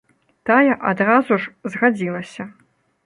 Тая адразу ж згадзілася.